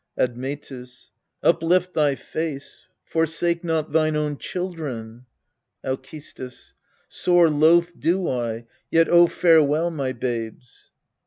Admetus. Uplift thy face : forsake not thine own chil dren ! Alcestis. Sore loath do I yet oh, farewell, my babes